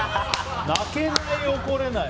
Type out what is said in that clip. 泣けない、怒れない。